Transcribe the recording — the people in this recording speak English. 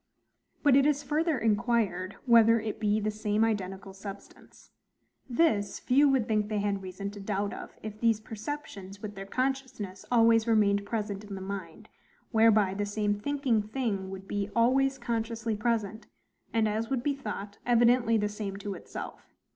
But it is further inquired, whether it be the same identical substance. This few would think they had reason to doubt of, if these perceptions, with their consciousness, always remained present in the mind, whereby the same thinking thing would be always consciously present, and, as would be thought, evidently the same to itself.